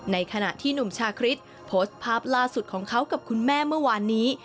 ในขณะที่หนุ่มชาคริสโพสต์ภาพล่าสุดของเขากับคุณแม่เมื่อวานนี้